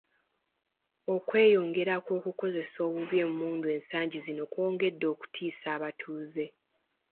Okweyongera kw'okukozesa obubi emmundu ensangi zino kwongedde okutiisa abatuuze.